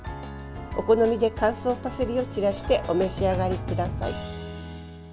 お好みで乾燥パセリを散らしてお召し上がりください。